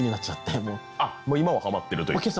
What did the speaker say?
あっもう今はハマってるという。